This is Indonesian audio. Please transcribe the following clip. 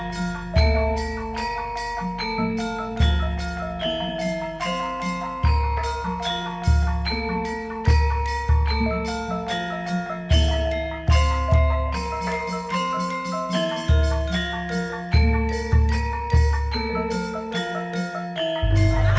kisah kisah yang terakhir